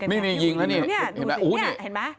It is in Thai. ไม่มียิงแล้วนี่